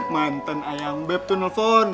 mantan ayang beb tuh nelfon